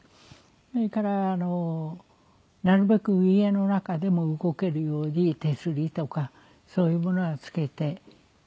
それからあのなるべく家の中でも動けるように手すりとかそういうものは付けてという風に。